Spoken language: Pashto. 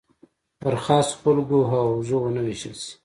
پر خاصو خلکو او حوزو ونه ویشل شي.